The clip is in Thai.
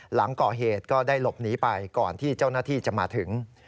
หลังก่อเหตุก็ได้หลบหนีไปก่อนที่เจ้าหน้าที่จะมาถึง